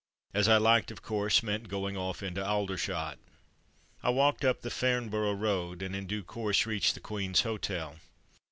''As I liked," of course, meant going off into Aldershot. I walked up the Farnborough road, and in due course reached the Queen^s Hotel.